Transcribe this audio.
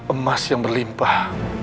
emas yang berlimpah